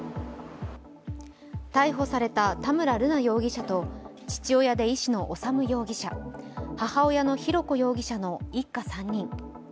逮捕された田村瑠奈容疑者と父親で意思の修容疑者、母親で浩子容疑者の一家３人。